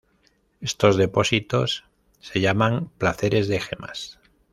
Estos depósitos se llaman "placeres de gemas".